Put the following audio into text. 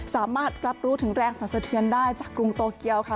สามารถรับรู้ถึงแรงสรรสะเทือนได้จากกรุงโตเกียวค่ะ